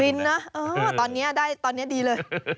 นะตอนนี้ได้ตอนนี้ดีเลย